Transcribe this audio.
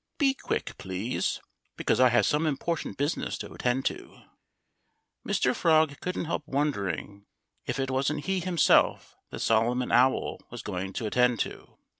"Be quick, please! Because I have some important business to attend to." Mr. Frog couldn't help wondering if it wasn't he himself that Solomon Owl was going to attend to.